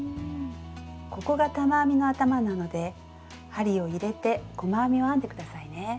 ここが玉編みの頭なので針を入れて細編みを編んで下さいね。